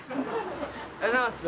おはようございます。